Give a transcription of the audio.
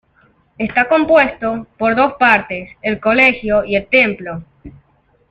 Está compuesto por dos partes: el colegio y el templo.